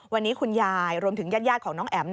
วันนี้คุณยายรวมถึงญาติของน้องแอ๋ม